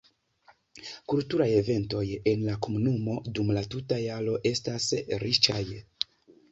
Kulturaj eventoj en la komunumo dum la tuta jaro estas riĉaj.